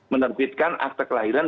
menerbitkan akte kelahiran